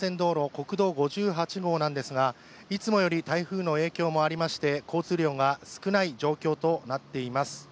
国道５８号なんですが、いつもより台風の影響もありまして交通量が少ない状況となっています。